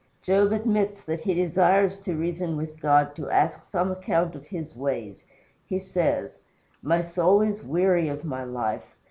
Job admits that he desires to reason with God to ask some account of his ways. He says: "My soul is weary of my life.